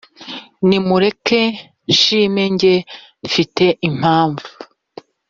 nimureke nshime njye mfite impamvu